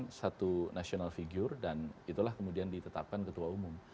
itu satu national figure dan itulah kemudian ditetapkan ketua umum